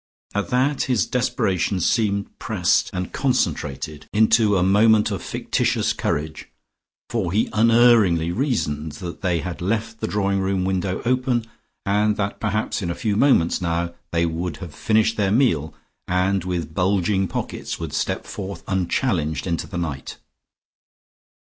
At that his desperation seemed pressed and concentrated into a moment of fictitious courage, for he unerringly reasoned that they had left the drawing room window open, and that perhaps in a few moments now they would have finished their meal and with bulging pockets would step forth unchallenged into the night.